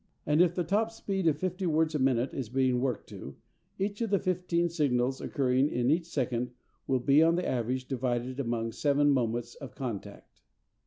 And if the top speed of fifty words a minute is being worked to, each of the fifteen signals occurring in each second will be on the average divided among seven moments of contact.